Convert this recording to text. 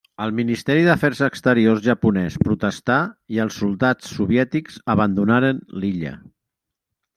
El Ministeri d'Afers Exteriors japonès protestà i els soldats soviètics abandonaren l'illa.